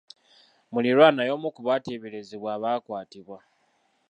Muliraanwa y'omu ku bateeberezebwa abaakwatibwa.